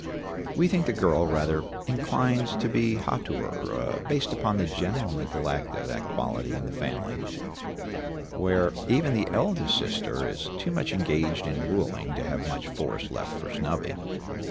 We think the girl rather inclines to a hauteur based upon the general neglect of that quality in the family, where even the eldest sister is too much engaged in ruling to have much force left for snubbing.